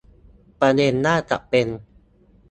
ประเด็นน่าจะเป็น